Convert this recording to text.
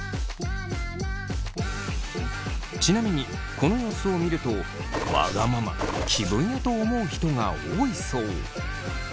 ちなみにこの様子を見るとわがまま気分屋と思う人が多いそう。